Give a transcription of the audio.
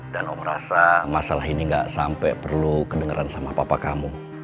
dan om rasa masalah ini gak sampai perlu kedengeran sama papa kamu